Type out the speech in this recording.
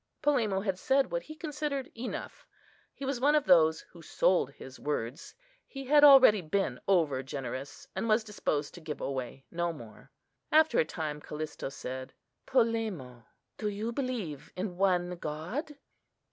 Polemo had said what he considered enough. He was one of those who sold his words. He had already been over generous, and was disposed to give away no more. After a time, Callista said, "Polemo, do you believe in one God?"